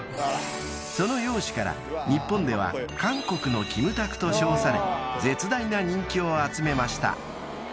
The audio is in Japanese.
［その容姿から日本では韓国のキムタクと称され絶大な人気を集めました］